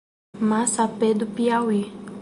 Massapê do Piauí